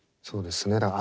そうですね。